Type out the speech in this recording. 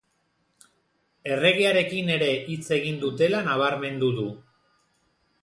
Erregearekin ere hitz egin dutela nabarmendu du.